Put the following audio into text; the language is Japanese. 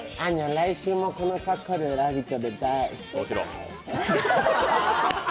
来週もこの格好で「ラヴィット！」